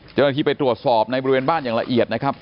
เจ้าหน้าที่ไปตรวจสอบในบริเวณบ้านอย่างละเอียดนะครับ